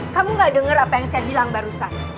kamu gak denger apa yang saya bilang barusan